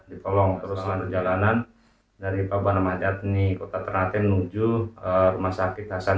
bisa dipolong terus selalu jalanan dari pabana mahjatni kota ternate menuju rumah sakit hasan